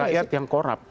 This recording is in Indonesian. rakyat yang korab